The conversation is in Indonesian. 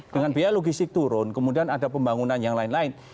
dengan biaya logistik turun kemudian ada pembangunan yang lain lain